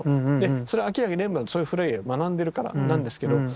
それは明らかにレンブラントそういう古い絵を学んでるからなんですけど。